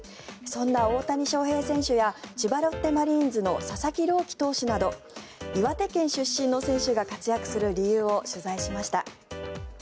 そんな大谷翔平選手や千葉ロッテマリーンズの佐々木朗希投手など岩手県出身の選手が活躍する理由を取材しました。